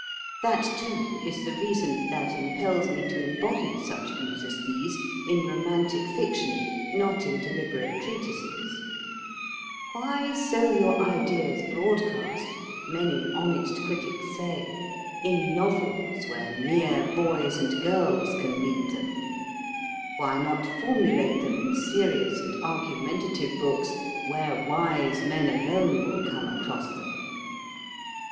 That, too, is the reason that impels me to embody such views as these in romantic fiction, not in deliberate treatises. "Why sow your ideas broadcast," many honest critics say, "in novels where mere boys and girls can read them? Why not formulate them in serious and argumentative books, where wise men alone will come across them?"